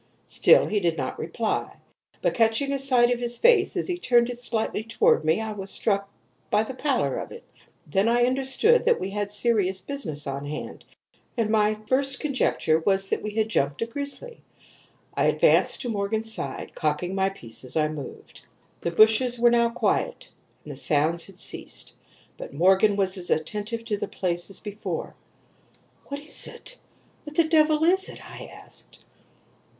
"Still he did not reply; but, catching a sight of his face as he turned it slightly toward me, I was struck by the pallor of it. Then I understood that we had serious business on hand, and my first conjecture was that we had 'jumped' a grizzly. I advanced to Morgan's side, cocking my piece as I moved. "The bushes were now quiet, and the sounds had ceased, but Morgan was as attentive to the place as before. "'What is it? What the devil is it?' I asked.